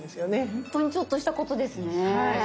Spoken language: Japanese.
本当にちょっとしたことですね。